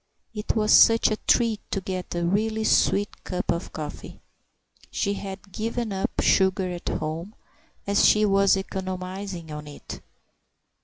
it was such a treat to get a really sweet cup of coffee; she had given up sugar at home as she was economising on it.